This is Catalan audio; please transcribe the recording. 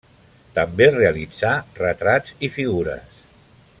També realitzà retrats i figures.